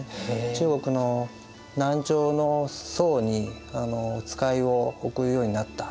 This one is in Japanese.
中国の南朝の宋に使いを送るようになった。